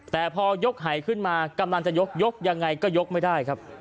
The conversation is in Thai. แต่พอยกหายขึ้นมากำลังจะยกยกยังไงก็ยกไม่ได้ครับ